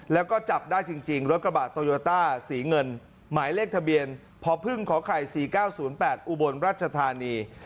แล้วก็จับได้จริงรถกระบะโตโยต้าสีเงินหมายเลขทะเบียนพพไข่๔๙๐๘อุบลรัชธานี